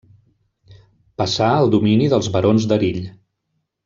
Passà al domini dels barons d'Erill.